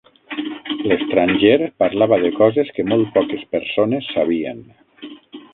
L'estranger parlava de coses que molt poques persones sabien.